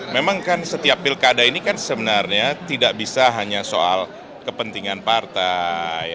memang kan setiap pilkada ini kan sebenarnya tidak bisa hanya soal kepentingan partai